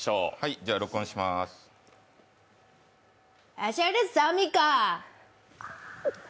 アシャリサミカ。